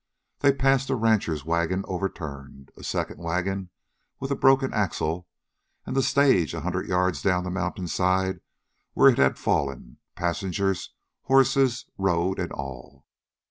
They passed a rancher's wagon overturned, a second wagon with a broken axle, and the stage a hundred yards down the mountainside, where it had fallen, passengers, horses, road, and all.